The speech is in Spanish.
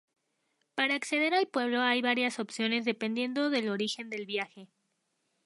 Para acceder al pueblo hay varias opciones dependiendo del origen del viaje.